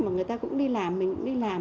mà người ta cũng đi làm mình cũng đi làm